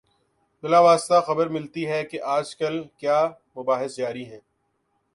بالواسطہ خبر ملتی ہے کہ آج کل کیا مباحث جاری ہیں۔